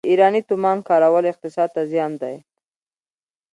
د ایراني تومان کارول اقتصاد ته زیان دی.